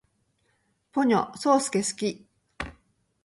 ポニョ，そーすけ，好き